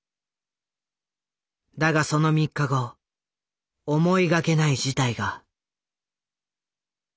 だがその３日後思いがけない事態が。